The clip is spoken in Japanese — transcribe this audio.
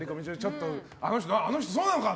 あの人そうなのか！